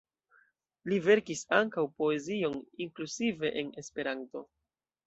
Li verkis ankaŭ poezion, inkluzive en Esperanto.